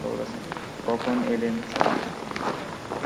কখন এলেন স্যার?